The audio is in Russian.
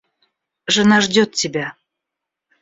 Жена ждет тебя.